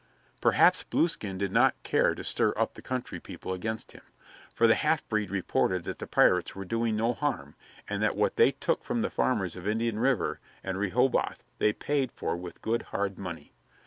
Perhaps Blueskin did not care to stir up the country people against him, for the half breed reported that the pirates were doing no harm, and that what they took from the farmers of Indian River and Rehoboth they paid for with good hard money.